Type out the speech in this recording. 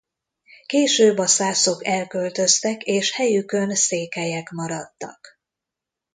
Később a szászok elköltöztek és helyükön székelyek maradtak.